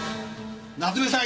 夏目さん。